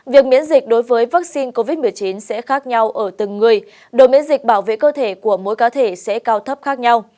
việc miễn dịch đối với vaccine covid một mươi chín sẽ khác nhau ở từng người đồng miễn dịch bảo vệ cơ thể của mỗi cá thể sẽ cao thấp khác nhau